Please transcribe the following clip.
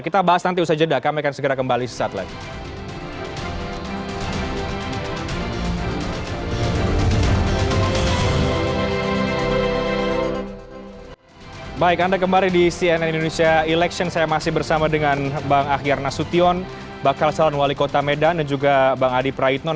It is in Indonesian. kita bahas nanti usaha jeda kami akan segera kembali sesaat lagi